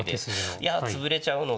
いや潰れちゃうので。